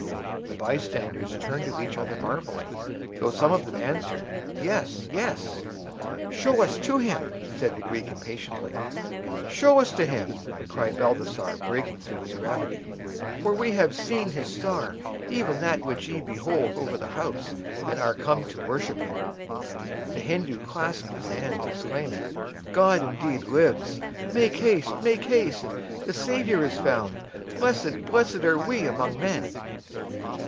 The bystanders turned to each other marvelling, though some of them answered, "Yes, yes." "Show us to him!" said the Greek, impatiently. "Show us to him!" cried Balthasar, breaking through his gravity; "for we have seen his star, even that which ye behold over the house, and are come to worship him." The Hindoo clasped his hands, exclaiming, "God indeed lives! Make haste, make haste! The Savior is found. Blessed, blessed are we above men!"